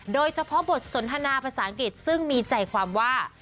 โดยเฉพาะบทสนทนาภาษาอังกฤษซึ่งมีใจความว่า